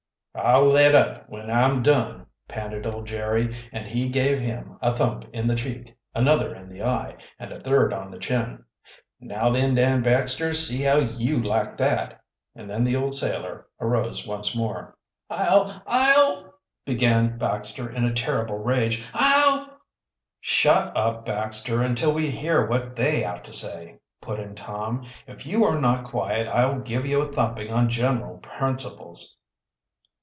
"I'll let up, when I'm done," panted old Jerry, and he gave him a thump in the cheek, another in the eye, and a third on the chin. "Now, then, Dan Baxter, see how you like that!" And then the old sailor arose once more. "I'll I'll " began Baxter, in a terrible rage. "I'll " "Shut up, Baxter, until we hear what they have to say," put in Tom. "If you are not quiet, I'll give you a thumping on general principles."